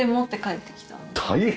大変！